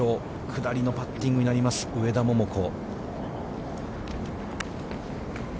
下りのパッティングになります、上田桃子。